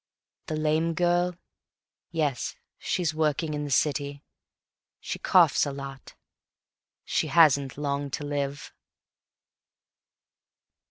The lame girl? yes, she's working in the city; She coughs a lot she hasn't long to live.